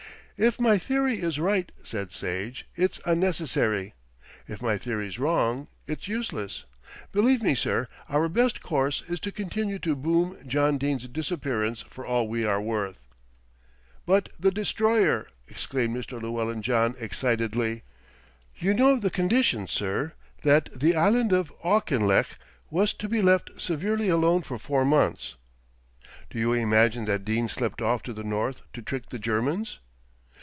"If my theory is right," said Sage, "it's unnecessary. If my theory's wrong, it's useless. Believe me, sir, our best course is to continue to boom John Dene's disappearance for all we are worth." "But the Destroyer!" exclaimed Mr. Llewellyn John excitedly. "You know the conditions, sir, that the island of Auchinlech was to be left severely alone for four months." "Do you imagine that Dene slipped off to the north to trick the Germans?"